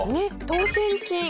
当せん金